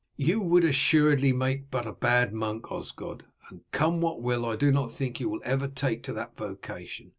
"You would assuredly make but a bad monk, Osgod, and come what will I do not think you will ever take to that vocation.